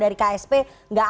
jaminannya dari mas joko dari ksp